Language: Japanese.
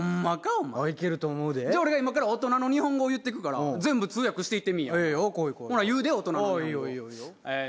お前いけると思うでじゃあ俺が今から大人の日本語を言ってくから全部通訳していってみいやほな言うで大人の日本語ああいいよいいよいいよえ